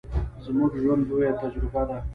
زموږ ژوند، لويه تجربه ده.